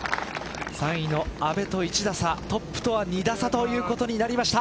３位の阿部と１打差トップとは２打差ということになりました。